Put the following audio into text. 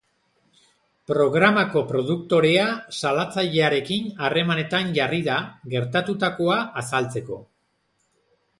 Programako produktorea salatzailearekin harremanetan jarri da, gertatutakoa azaltzeko.